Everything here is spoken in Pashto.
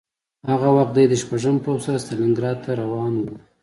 هغه وخت دی د شپږم پوځ سره ستالینګراډ ته روان و